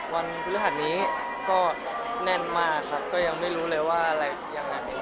วันพฤหัสนี้ก็แน่นมากครับก็ยังไม่รู้เลยว่าอะไรยังไง